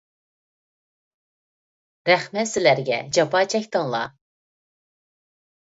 رەھمەت سىلەرگە، جاپا چەكتىڭلار!